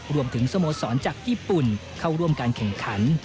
สโมสรจากญี่ปุ่นเข้าร่วมการแข่งขัน